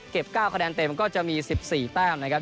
๙คะแนนเต็มก็จะมี๑๔แต้มนะครับ